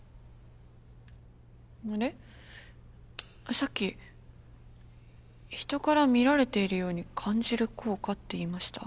さっき人から見られているように感じる効果って言いました？